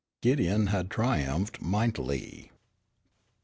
Gideon had triumphed mightily.